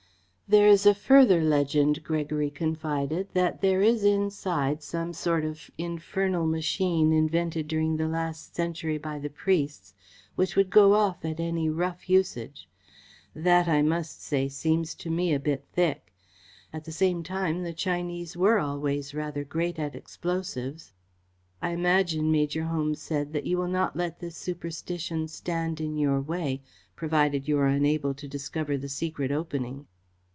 "There is a further legend," Gregory confided, "that there is inside some sort of infernal machine invented during the last century by the priests, which would go off at any rough usage. That, I must say, seems to me a bit thick. At the same time, the Chinese were always rather great at explosives." "I imagine," Major Holmes said, "that you will not let this superstition stand in your way, provided you are unable to discover the secret opening."